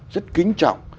rất kính trọng